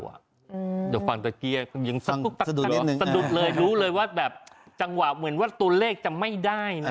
เดี๋ยวฟังตะเกียร์ยังสะดุดเลยรู้เลยว่าแบบจังหวะเหมือนว่าตัวเลขจะไม่ได้นะ